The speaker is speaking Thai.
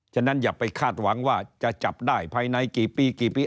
ฉะนั้นอย่าไปคาดหวังว่าจะจับได้ภายในกี่ปีกี่ปี